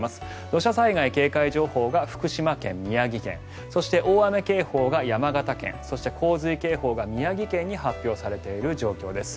土砂災害警戒情報が福島県、宮城県そして、大雨警報が山形県そして洪水警報が宮城県に発表されている状況です。